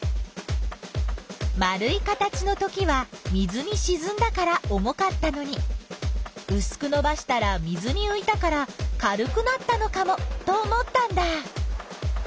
丸い形のときは水にしずんだから重かったのにうすくのばしたら水にういたから軽くなったのかもと思ったんだ。